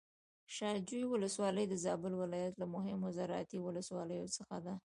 شاه جوی ولسوالي د زابل ولايت له مهمو زراعتي ولسواليو څخه ده.